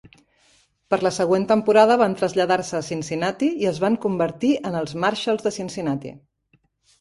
Per la següent temporada van traslladar-se a Cincinnati i es van convertir en els Marshals de Cincinnati.